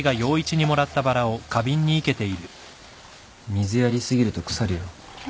水やり過ぎると腐るよ。